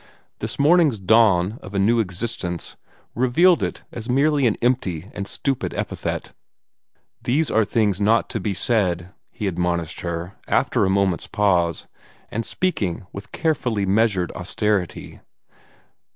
This morning's dawn of a new existence revealed it as merely an empty and stupid epithet. "These are things not to be said," he admonished her, after a moment's pause, and speaking with carefully measured austerity.